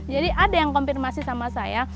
jadi ada yang konfirmasi sama saya